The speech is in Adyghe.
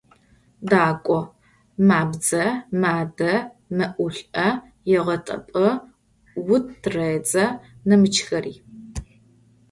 «Дакӏо» – мабзэ, мадэ, мэӏулӏэ, егъэтӏэпӏы, ут тыредзэ, нэмыкӏхэри.